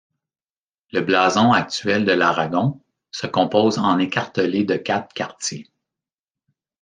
Le blason actuel de l'Aragon se compose en écartelé de quatre quartiers.